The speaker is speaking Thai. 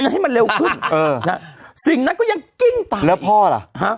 ให้มันเร็วขึ้นนะสิ่งนั้นก็ยังขี้งไปแล้วพอหรอ